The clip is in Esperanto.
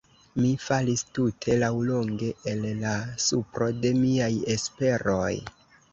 Mi falis tute laŭlonge el la supro de miaj esperoj.